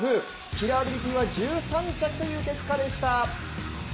キラーアビリティは１３着という結果でした。